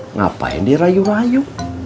ngapain dia rayu rayu